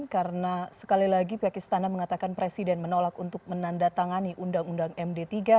karena sekali lagi pakistana mengatakan presiden menolak untuk menandatangani undang undang md tiga